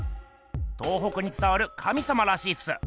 東北につたわる神様らしいっす。